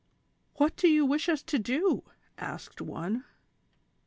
" What do you wish us to do V " asked one.